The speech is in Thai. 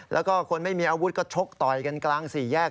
แล้วก็คนไม่มีอาวุธก็ชกต่อยกันกลางสี่แยก